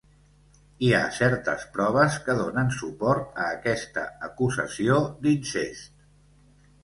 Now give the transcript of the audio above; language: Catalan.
Hi ha certes proves que donen suport a aquesta acusació d'incest.